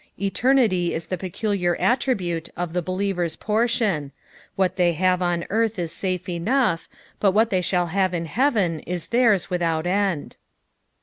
Eternity is the peculiar attribute of the believer's prtion : what they have on earth is safe enough, but what they shall have in heaven is theirs without end.